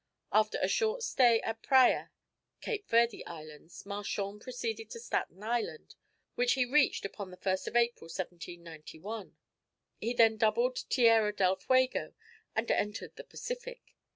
After a short stay at Praya, Cape Verde Islands, Marchand proceeded to Staten Island, which he reached upon the 1st of April, 1791. He then doubled Tierra del Fuego, and entered the Pacific.